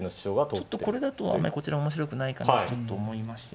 ちょっとこれだとあんまりこちらも面白くないかなと思いまして。